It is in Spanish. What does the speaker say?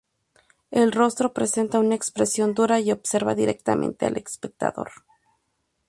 El rostro presenta una expresión dura y observa directamente al espectador.